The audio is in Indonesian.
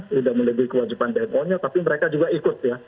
sudah melebihi kewajiban dmo nya tapi mereka juga ikut ya